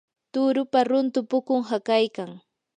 turupa runtu pukun hakaykan.